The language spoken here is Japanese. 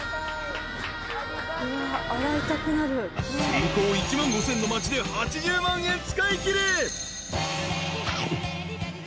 ［人口１万５，０００の町で８０万円使いきれ］